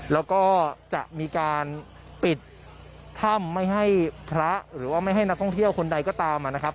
แล้วก็จะมีการปิดถ้ำไม่ให้พระหรือว่าไม่ให้นักท่องเที่ยวคนใดก็ตามนะครับ